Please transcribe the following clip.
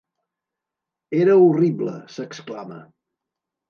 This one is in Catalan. Era horrible, s'exclama.